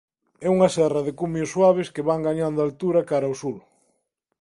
É unha serra de cumios suaves que van gañando altura cara ao sur.